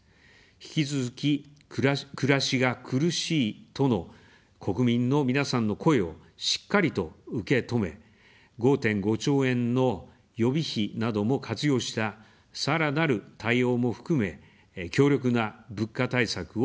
引き続き、暮らしが苦しいとの国民の皆さんの声をしっかりと受け止め、５．５兆円の予備費なども活用した、さらなる対応も含め、強力な物価対策を進めていきます。